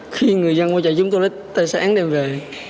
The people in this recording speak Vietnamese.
khi người dân qua chạy chúng tôi lấy tài sản đem về